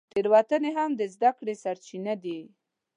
تېروتنې هم د زده کړې سرچینه دي.